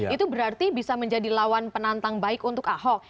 itu berarti bisa menjadi lawan penantang baik untuk ahok